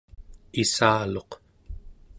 issaluq